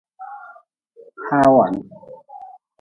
Hawan.